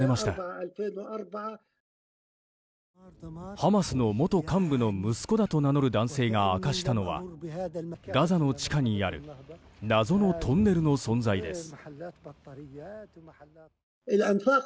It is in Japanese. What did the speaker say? ハマスの元幹部の息子だと名乗る男性が明かしたのはガザの地下にある謎のトンネルの存在です。